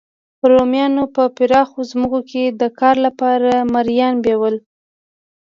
رومیانو په پراخو ځمکو کې د کار لپاره مریان بیول